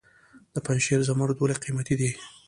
د پنجشیر زمرد ولې قیمتي دي؟